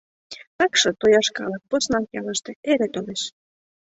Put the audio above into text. Такше, тояш калык, поснак ялыште, эре толеш.